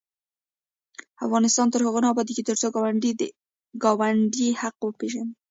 افغانستان تر هغو نه ابادیږي، ترڅو ګاونډي د ګاونډي حق وپيژني.